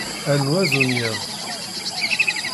Rnu azunɣid.